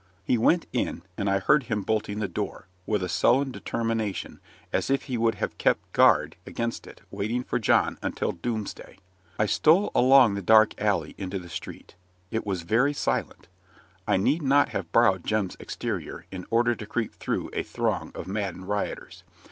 He went in, and I heard him bolting the door, with a sullen determination, as if he would have kept guard against it waiting for John until doomsday. I stole along the dark alley into the street. It was very silent I need not have borrowed Jem's exterior, in order to creep through a throng of maddened rioters.